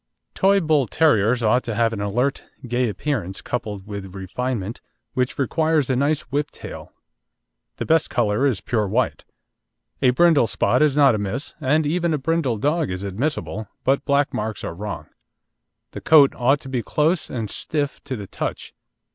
Toy Bull terriers ought to have an alert, gay appearance, coupled with refinement, which requires a nice whip tail. The best colour is pure white. A brindle spot is not amiss, and even a brindle dog is admissible, but black marks are wrong. The coat ought to be close and stiff to the touch.